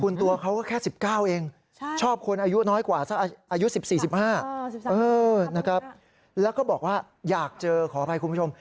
แล้วก็บอกว่าอยากเจอขออภัยคุณผู้ชม